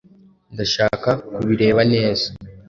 Ndashaka kubireba neza.